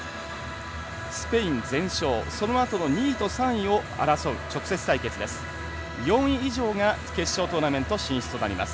スペイン全勝そのあとの２位と３位を争う直接対決です。